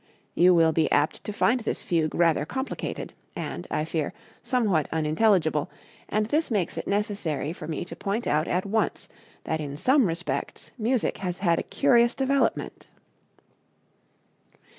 You will be apt to find this fugue rather complicated and, I fear, somewhat unintelligible, and this makes it necessary for me to point out at once that in some respects music has had a curious development.